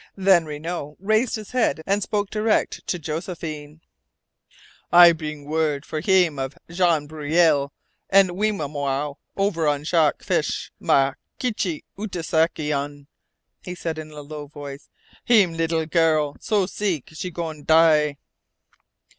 Then Renault raised his head and spoke direct to Josephine: "I breeng word for heem of Jan Breuil an' wewimow over on Jac' fish ma Kichi Utooskayakun," he said in a low voice. "Heem lee'l girl so seek she goin' die."